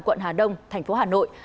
quận hà đông thành phố hà nội